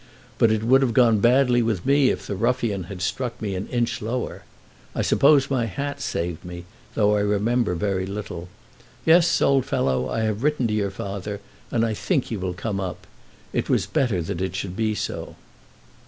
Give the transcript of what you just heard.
"But it would have gone badly with me if the ruffian had struck an inch lower. I suppose my hat saved me, though I remember very little. Yes, old fellow, I have written to your father, and I think he will come up. It was better that it should be so."